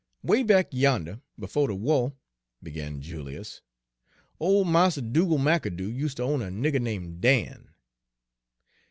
"Way back yander befo' de wah," began Julius, "ole Mars Dugal' McAdoo useter own a nigger name' Dan.